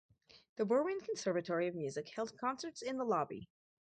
The Berwyn Conservatory of Music held concerts in the lobby.